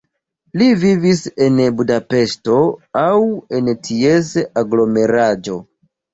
Li vivis en Budapeŝto aŭ en ties aglomeraĵo.